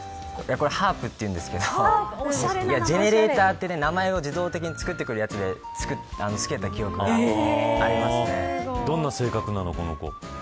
ハープというんですけどジェネレーターって、名前を自動的に作ってくれるやつでどんな性格なのこの子。